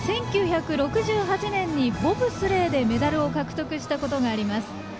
１９６８年に、ボブスレーでメダルを獲得したことがあります。